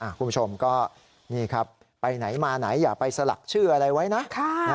คุณผู้ชมก็นี่ครับไปไหนมาไหนอย่าไปสลักชื่ออะไรไว้นะ